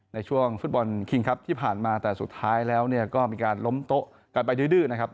ในช่วงฟุตบอลคิงครับที่ผ่านมาแต่สุดท้ายแล้วก็มีการล้มโต๊ะกันไปดื้อนะครับ